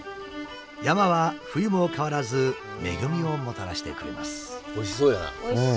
山は冬も変わらず恵みをもたらしてくれます。